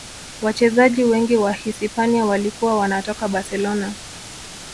wachezaji wengi wa hisipania walikuwa wanatoka barcelona